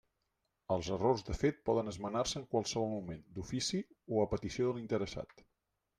Els errors de fet poden esmenar-se en qualsevol moment, d'ofici o a petició de l'interessat.